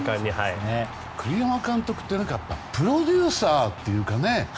栗山監督ってプロデューサーというかね